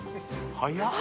早っ。